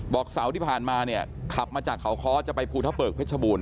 เสาร์ที่ผ่านมาเนี่ยขับมาจากเขาค้อจะไปภูทะเปิกเพชรบูรณ